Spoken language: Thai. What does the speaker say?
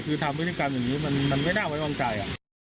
คือทำพฤติกรรมอย่างนี้มันไม่น่าไว้วางใจ